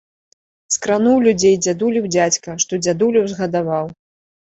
Скрануў людзей дзядулеў дзядзька, што дзядулю ўзгадаваў.